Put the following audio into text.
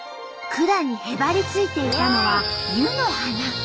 管にへばりついていたのは湯の花。